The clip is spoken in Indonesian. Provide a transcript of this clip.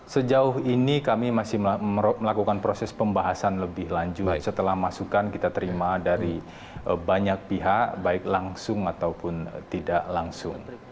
sejauh ini kami masih melakukan proses pembahasan lebih lanjut setelah masukan kita terima dari banyak pihak baik langsung ataupun tidak langsung